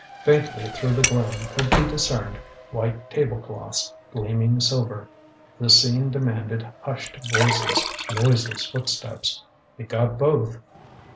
Faintly through the gloom could be discerned white table cloths, gleaming silver. The scene demanded hushed voices, noiseless footsteps. It got both.